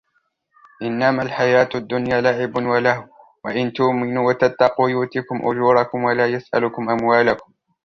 إِنَّمَا الْحَيَاةُ الدُّنْيَا لَعِبٌ وَلَهْوٌ وَإِنْ تُؤْمِنُوا وَتَتَّقُوا يُؤْتِكُمْ أُجُورَكُمْ وَلَا يَسْأَلْكُمْ أَمْوَالَكُمْ